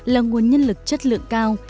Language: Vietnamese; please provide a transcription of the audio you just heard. là nguồn nhân lực chất lượng cao